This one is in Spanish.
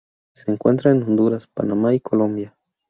Se encuentra en Honduras, Panamá y Colombia.